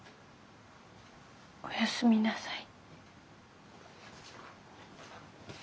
おやすみなさい。